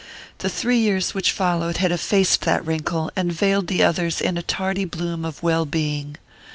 The three years which followed had effaced that wrinkle and veiled the others in a tardy bloom of well being.